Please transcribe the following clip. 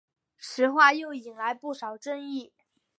此话又引来不少争议。